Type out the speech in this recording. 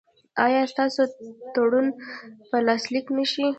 ایا ستاسو تړون به لاسلیک نه شي؟